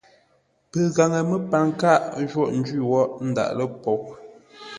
Pəgaŋə məpar kâʼ jôghʼ njwí wóghʼ ndáʼ lə poghʼ.